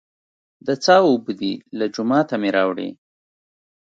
د څاه اوبه دي، له جوماته مې راوړې.